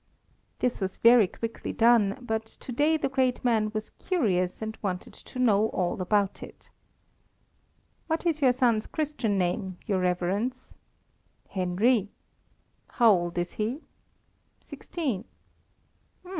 This was very quickly done, but to day the great man was curious and wanted to know all about it. "What is your son's Christian name, your Reverence?" "Henry." "How old is he?" "Sixteen."